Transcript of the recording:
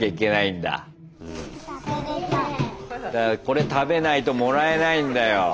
これ食べないともらえないんだよ。